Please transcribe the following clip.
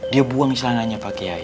dia buang silangannya pak kiai